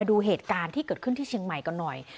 ดูเหตุการณ์ที่เกิดขึ้นที่เชียงใหม่กันหน่อย